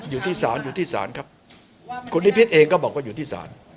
อยู่ที่ศาลครับคุณนิพิธเองก็บอกว่าอยู่ที่ศาล